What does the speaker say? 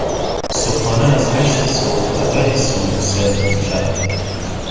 صبحانه از هشت صبح تا ده صبح سرو می شود.